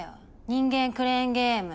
人間クレーンゲーム。